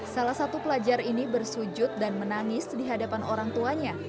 salah satu pelajar ini bersujud dan menangis di hadapan orang tuanya